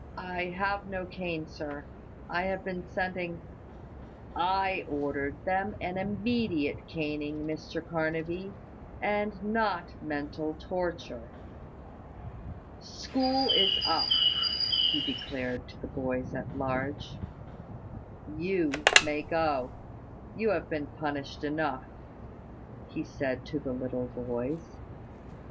I have no cane, sir. I have been sending " "I ordered them an immediate caning, Mr Carnaby, and not mental torture. School is up," he declared to the boys at large. "You may go you have been punished enough," he said to the little boys.